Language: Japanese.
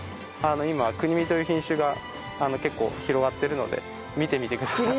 今国見という品種が結構広がっているので見てみてください。